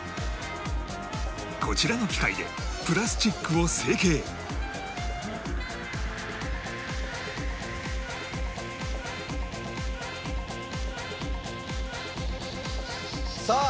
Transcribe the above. こちらの機械でプラスチックを成形さあ。